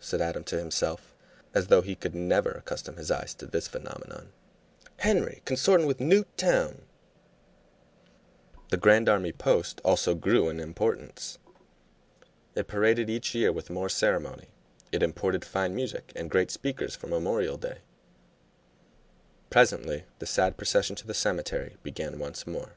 said Adam to himself, as though he could never accustom his eyes to this phenomenon. "Henry consortin' with Newt Towne!" The Grand Army post also grew in importance. It paraded each year with more ceremony; it imported fine music and great speakers for Memorial Day. Presently the sad procession to the cemetery began once more.